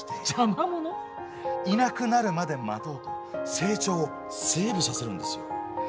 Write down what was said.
いなくなるまで待とうと成長をセーブさせるんですよ。